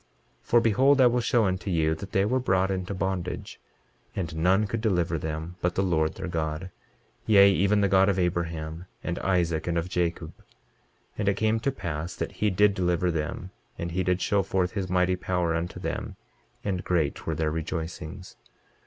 23:23 For behold, I will show unto you that they were brought into bondage, and none could deliver them but the Lord their God, yea, even the God of Abraham and Isaac and of Jacob. 23:24 And it came to pass that he did deliver them, and he did show forth his mighty power unto them, and great were their rejoicings.